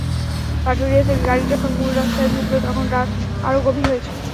পাটুরিয়া থেকে গাড়ি যখন মূল রাস্তায় ঢুকল, তখন রাত আরও গভীর হয়েছে।